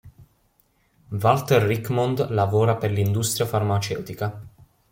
Walter Richmond lavora per l'industria farmaceutica.